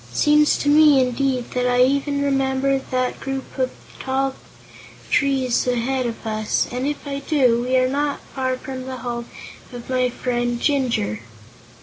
Seems to me, indeed, that I even remember that group of three tall trees ahead of us; and, if I do, we are not far from the home of my friend Jinjur."